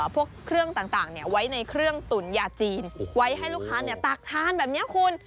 พวกเครื่องต่างต่างเนี่ยไว้ในเครื่องตุ๋นยาจีนไว้ให้ลูกค้าเนี่ยตากทานแบบเนี้ยคุณ